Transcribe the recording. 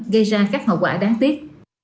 gây ra các hậu quả đáng tiếc